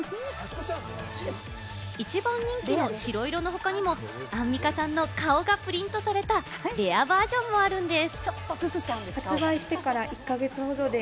一番人気の白色の他にも、アンミカさんの顔がプリントされたレアバージョンもあるんです。